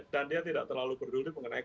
dan dia tidak terlalu peduli mengenai